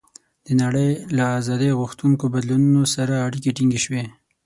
د نړۍ له آزادۍ غوښتونکو بدلونونو سره اړیکې ټینګې شوې.